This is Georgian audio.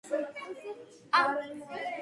არკადის ჰყავს ძმა, მიხეილი.